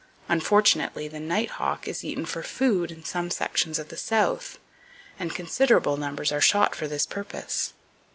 Unfortunately, the nighthawk is eaten for food in some sections of the South, and considerable numbers are shot for this purpose.